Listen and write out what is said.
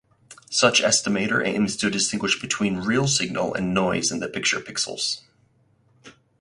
Such estimator aims to distinguish between real signal and noise in the picture pixels.